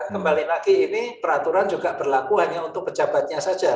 kembali lagi ini peraturan juga berlaku hanya untuk pejabatnya saja